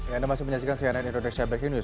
ya anda masih menyaksikan cnn indonesia breaking news